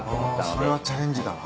それはチャレンジだわ。